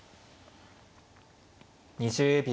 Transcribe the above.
２０秒。